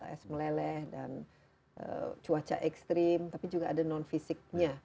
es meleleh dan cuaca ekstrim tapi juga ada non fisiknya